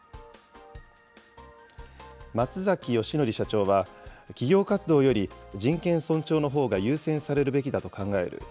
松崎善則社長は、企業活動より人権尊重のほうが優先されるべきだと考える。